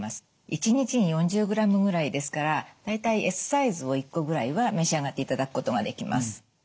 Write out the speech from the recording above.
１日に４０ｇぐらいですから大体Ｓサイズを１個ぐらいは召し上がっていただくことができます。